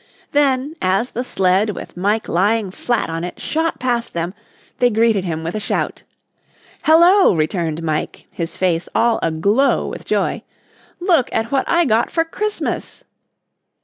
Then, as the sled with Mike lying flat on it shot past them, they greeted him with a shout. "Hello," returned Mike, his face all aglow with joy, "look at what I got for Christmas."